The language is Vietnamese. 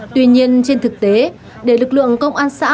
tuy nhiên trên thực tế để lực lượng công an xã